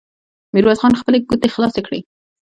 ميرويس خان خپلې ګوتې خلاصې کړې.